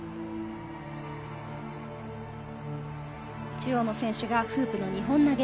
中央の選手がフープの２本投げ。